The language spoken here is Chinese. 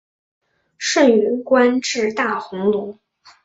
盛允官至大鸿胪。